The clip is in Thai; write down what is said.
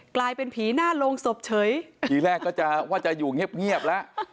กลายเป็นผีหน้าโรงศพเฉยทีแรกก็จะว่าจะอยู่เงียบเงียบแล้ว